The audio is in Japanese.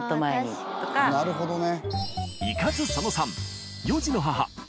なるほどね。